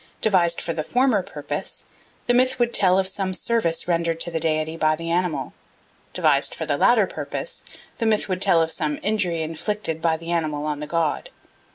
Devised for the former purpose, the myth would tell of some service rendered to the deity by the animal; devised for the latter purpose, the myth would tell of some injury inflicted by the animal on the god.